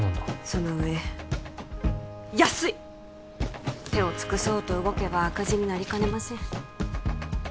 その上安い手を尽くそうと動けば赤字になりかねません